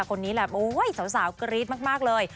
คนนี้แหละโอ้ยสาวกรี๊ดมากเลย